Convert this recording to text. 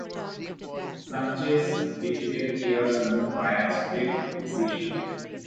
Sanchez defeated Pearson via split decision.